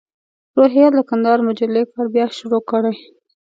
روهیال د کندهار مجلې کار بیا شروع کړی.